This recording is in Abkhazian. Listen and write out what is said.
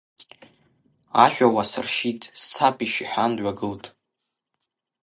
Ажәа уасыршьит, сцапишь, — иҳәан, дҩагылт.